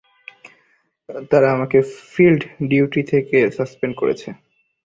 তারা আমাকে field duty থেকে সাসপেন্ড করেছে।